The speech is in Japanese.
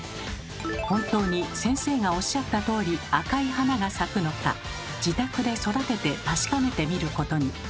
本当に先生がおっしゃったとおり赤い花が咲くのか自宅で育てて確かめてみることに。